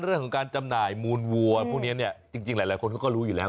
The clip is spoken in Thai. เรื่องของการจำหน่ายมูลวัวพวกเนี้ยจริงจริงหลายหลายคนเขาก็รู้อยู่แล้ว